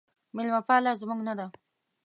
میلمه پاله زموږ نه ده